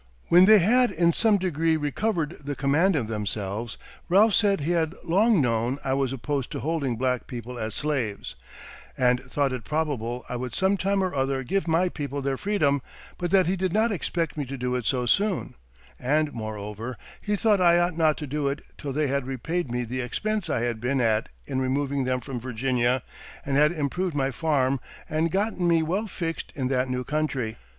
When they had in some degree recovered the command of themselves, Ralph said he had long known I was opposed to holding black people as slaves, and thought it probable I would some time or other give my people their freedom, but that he did not expect me to do it so soon; and moreover, he thought I ought not to do it till they had repaid me the expense I had been at in removing them from Virginia, and had improved my farm and 'gotten me well fixed in that new country.'